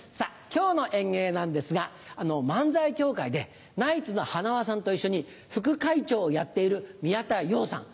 今日の演芸なんですが漫才協会でナイツの塙さんと一緒に副会長をやっている宮田陽さん。